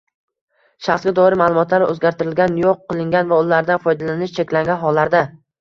shaxsga doir ma’lumotlar o‘zgartirilgan, yo‘q qilingan va ulardan foydalanish cheklangan hollarda